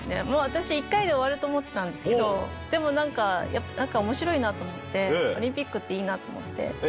もう私、１回で終わると思ってたんですけど、でもなんか、なんかおもしろいなと思って、オリンピックっていいなと思って。